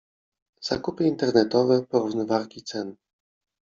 Zakupy internetowe, porównywarki cen.